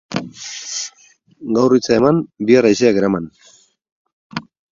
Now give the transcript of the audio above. Gaur hitza eman, bihar haizeak eraman.